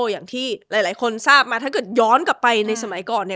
อย่างที่หลายคนทราบมาถ้าเกิดย้อนกลับไปในสมัยก่อน